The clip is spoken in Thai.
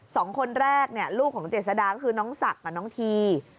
สองคนแรกเนี่ยลูกของเจษดาก็คือน้องศักดิ์กับน้องที